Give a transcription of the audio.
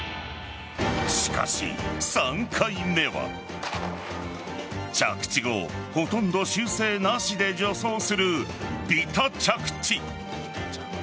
しかし３回目は着地後ほとんど修正なしで助走するビタ着地。